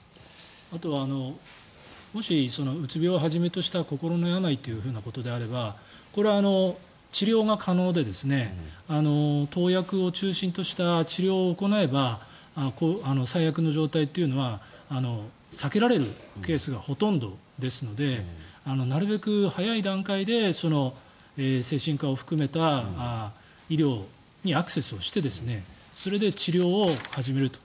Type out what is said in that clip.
あとはもしうつ病をはじめとした心の病ということであればこれは治療が可能で投薬を中心とした治療を行えば最悪の状態というのは避けられるケースがほとんどですのでなるべく早い段階で精神科を含めた医療にアクセスをしてそれで治療を始めると。